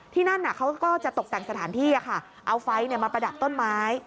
ที่นั่นเขาก็จะตกแต่งสถานที่เอาไฟมาประดับต้นไม้